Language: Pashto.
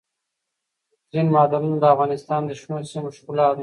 اوبزین معدنونه د افغانستان د شنو سیمو ښکلا ده.